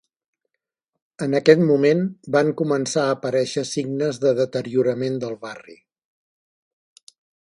En aquest moment van començar a aparèixer signes de deteriorament del barri.